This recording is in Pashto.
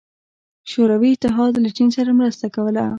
شوروي اتحاد له چین سره مرسته کوله.